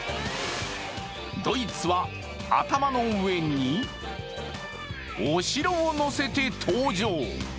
ドイツは、頭の上にお城を乗せて登場。